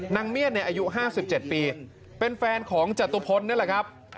นางเมียดเนี่ยอายุ๕๗ปีเป็นแฟนของจตุพลนี่แหละครับ